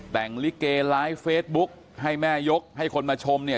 แต่งลิเกไลฟ์เฟซบุ๊กให้แม่ยกให้คนมาชมเนี่ย